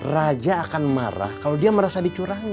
raja akan marah kalau dia merasa dicurangi